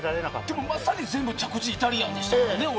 でも、まさに全部着地がイタリアンでしたね。